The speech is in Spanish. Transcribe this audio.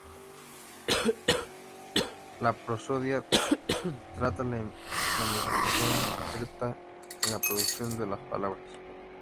La prosodia trata la manifestación concreta en la producción de las palabras.